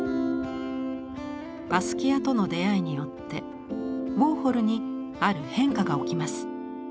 バスキアとの出会いによってウォーホルにある変化が起きます。